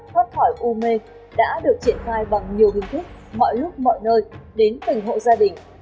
thoát khỏi u mê đã được triển khai bằng nhiều hình thức mọi lúc mọi nơi đến từng hộ gia đình